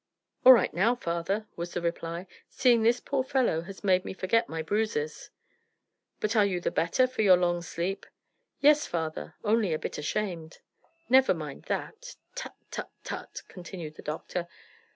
"All right now, father," was the reply. "Seeing this poor fellow has made me forget my bruises." "But you are the better for your long sleep?" "Yes, father; only a bit ashamed." "Never mind that. Tut, tut, tut!" continued the doctor.